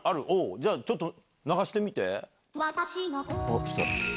じゃあちょっと流してみて。あっ来た。